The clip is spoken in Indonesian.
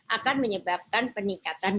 akan menyebabkan peningkatan